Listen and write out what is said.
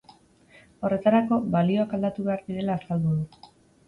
Horretarako, balioak aldatu behar direla azaldu du.